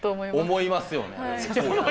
思いますよね。